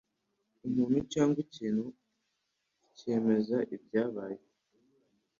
umuntu cyangwa ikintu kemeza ibyabaye